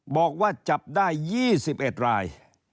บอกว่าจับได้๒๑ราย